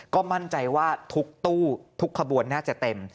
ก็มั่นใจว่าทุกตู้ทุกขบวนน่าจะเต็ม